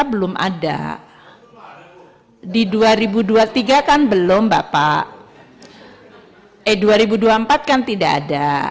eh dua ribu dua puluh empat kan tidak ada